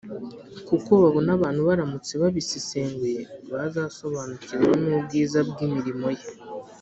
kuko babonaga abantu baramutse babisesenguye bazasobanukirwa n’ubwiza bw’imirimo ye